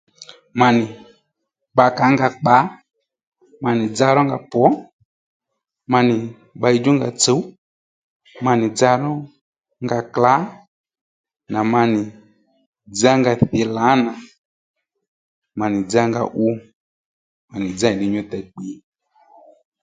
Ma nì bbǎkǎ nga kpǎ ma nì dza rónga pwǒ ma nì bbayi djúnga tsǔw ma nì dza rónga klǎ ma nì dzá nga thǐ lǎnà ma nì dzá nga uw ma nì dzá nì ddiy nyú tey kpǐy